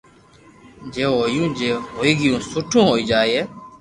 جي ھويو جي ھوئي گيو سٺو ھوئي جائي